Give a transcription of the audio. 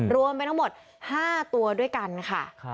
รวมไปทั้งหมด๕ตัวด้วยกันค่ะ